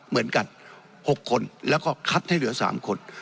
เหมือนกัน๖คนแล้วก็คัดให้เหลือ๓คน